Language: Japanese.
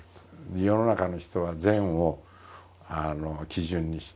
世の中の人は善を基準にしていると。